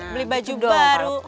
beli baju baru